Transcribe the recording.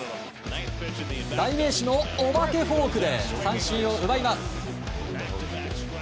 代名詞のお化けフォークで三振を奪います。